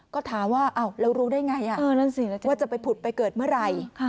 ก็ถามว่าแล้วรู้ได้ไงว่าจะไปผุดไปเกิดเมื่อไหร่